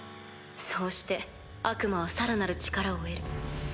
そうして悪魔はさらなる力を得る。